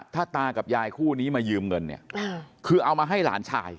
ถ้าตากับยายคู่นี้มายืมเงินเนี่ยคือเอามาให้หลานชาย